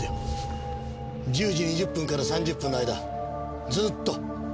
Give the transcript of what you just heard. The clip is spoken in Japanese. １０時２０分から３０分の間ずっと。